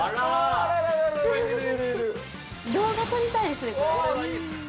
◆動画撮りたいですね、これ。